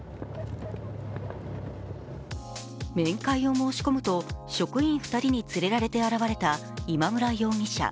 面会を申し込むと、職員２人に連れられて現れた今村容疑者。